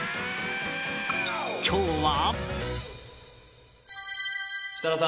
今日は。